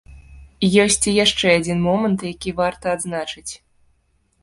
Ёсць і яшчэ адзін момант, які варта адзначыць.